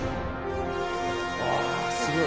あすごい。